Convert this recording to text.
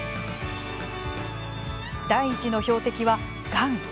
第１の標的は、がん。